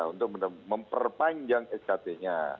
untuk memperpanjang skt nya